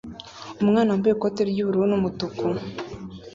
Umwana wambaye ikoti ry'ubururu n'umutuku